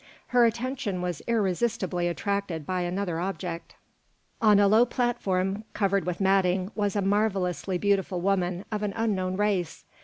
Her attention was irresistibly attracted by another object. On a low platform covered with matting was a marvellously beautiful woman of an unknown race.